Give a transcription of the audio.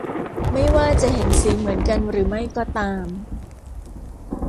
ไม่ว่าจะเห็นสีเหมือนกันหรือไม่ก็ตาม